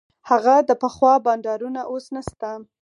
هغه د پخوا بانډارونه اوس نسته.